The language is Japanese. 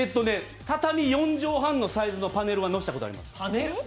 畳４畳半のパネルは載せたことがあります。